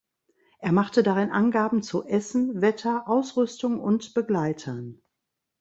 Er machte darin Angaben zu Essen, Wetter, Ausrüstung und Begleitern.